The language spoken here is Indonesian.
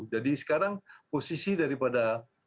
jadi sekarang posisi daripada